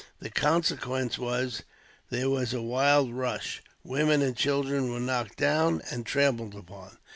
The consequence was, there was a wild rush. Women and children were knocked down and trampled upon.